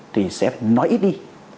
thì sẽ nói ít đi